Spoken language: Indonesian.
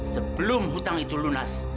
sebelum hutang itu lunas